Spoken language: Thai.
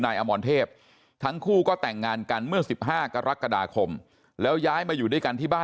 อมรเทพทั้งคู่ก็แต่งงานกันเมื่อ๑๕กรกฎาคมแล้วย้ายมาอยู่ด้วยกันที่บ้าน